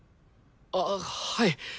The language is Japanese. あっはい！